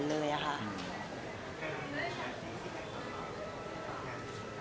เก๋จะมีโอกาสได้ใช้ชุดคู่กับผู้ชายที่เป็นเพื่อนที่ดีที่สุดของเก๋ด้วย